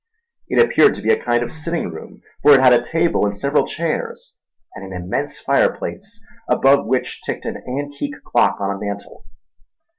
It appeared to be a kind of sitting room, for it had a table and several chairs, and an immense fireplace above which ticked an antique clock on a mantel.